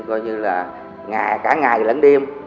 coi như là cả ngày lẫn đêm